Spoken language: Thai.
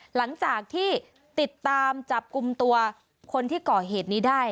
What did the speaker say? หลังจากที่ติดตามจับกลุ่มตัวคนที่ก่อเหตุนี้ได้